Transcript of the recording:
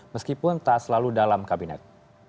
meskipun tak selalu dalam kabinet